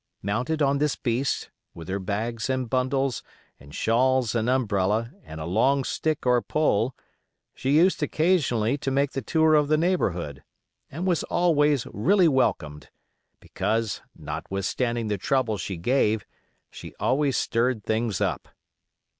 Mounted on this beast, with her bags and bundles, and shawls and umbrella, and a long stick or pole, she used occasionally to make the tour of the neighborhood, and was always really welcomed; because, notwithstanding the trouble she gave, she always stirred things up.